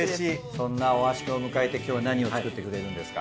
そんな大橋くんを迎えて今日は何を作ってくれるんですか？